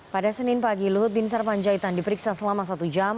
pada senin pagi luhut bin sarpanjaitan diperiksa selama satu jam